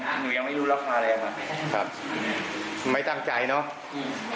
พี่วีระเราไม่ตั้งใจเนาะ